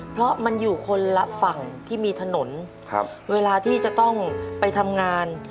เพราะมันอยู่คนละฝั่งที่มีถนนเวลาที่จะต้องไปทำงาน